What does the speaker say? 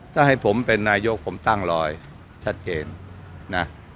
ถ้าให้ผมเป็นนายกผมตั้งรอยชัดเจนนะ